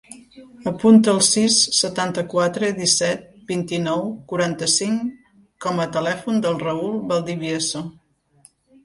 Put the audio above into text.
Apunta el sis, setanta-quatre, disset, vint-i-nou, quaranta-cinc com a telèfon del Raül Valdivieso.